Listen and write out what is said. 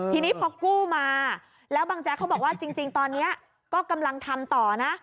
ทีนี้พอกู้มาแล้วบางแจ๊กเขาบอกว่าจริงตอนนี้ก็กำลังทำต่อนะ